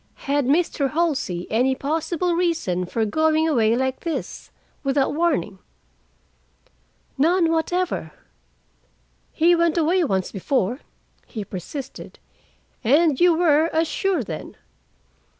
Had Mr. Halsey any possible reason for going away like this, without warning?" "None whatever." "He went away once before," he persisted. "And you were as sure then."